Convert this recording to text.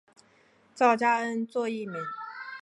赵佳恩作艺名。